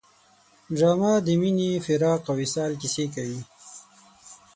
ډرامه د مینې، فراق او وصال کیسې کوي